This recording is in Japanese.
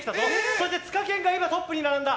そしてツカケンがトップに並んだ。